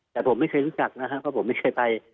แต่ผมไม่เคยรู้จักนะครับเพราะผมไม่เคยไป